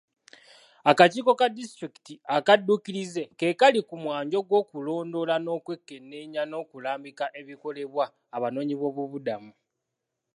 Akakiiko ka disitulikiti akadduukirize ke kali ku mwanjo gw'okulondoola n'okwekenneenya n'okulambika ebikolebwa abanoonyiboobubudamu.